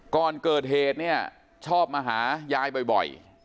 ก่อนเกิดเหตุเนี่ยชอบมาหายายบ่อย